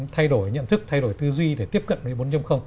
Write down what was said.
thay đổi nhận thức thay đổi tư duy để tiếp cận với bốn